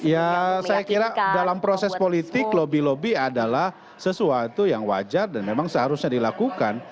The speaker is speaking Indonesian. ya saya kira dalam proses politik lobby lobby adalah sesuatu yang wajar dan memang seharusnya dilakukan